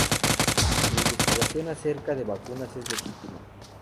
La investigación acerca de vacunas es legítima.